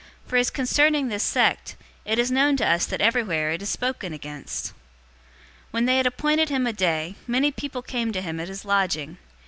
For, as concerning this sect, it is known to us that everywhere it is spoken against." 028:023 When they had appointed him a day, many people came to him at his lodging.